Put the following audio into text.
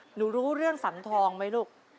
หนูรู้เรื่องสันทองไหมลูก